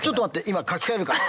今書き換えるから。